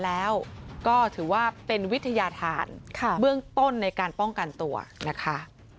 แล้วก็ถือว่าเป็นวิทยาฐานเบื้องต้นในการป้องกันตัวนะคะ